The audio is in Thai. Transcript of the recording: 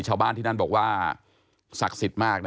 ชาวบ้านที่นั่นบอกว่าศักดิ์สิทธิ์มากนะ